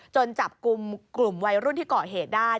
จับกลุ่มกลุ่มวัยรุ่นที่เกาะเหตุได้